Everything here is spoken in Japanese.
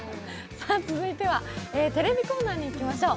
続いてはテレビコーナーにいきましょう。